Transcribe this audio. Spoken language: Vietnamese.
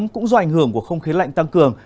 cũng do ảnh hưởng của không khí lạnh tăng cường